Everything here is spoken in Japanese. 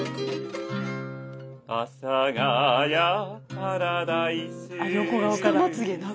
「阿佐ヶ谷パラダイス」